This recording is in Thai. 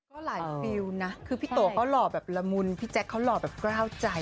ก็หลายฟิลนะคือพี่โตเขาหล่อแบบละมุนพี่แจ๊คเขาหล่อแบบกล้าวใจ